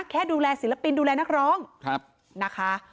แค่ดูแลศิลปินดูแลนักร้องนะคะ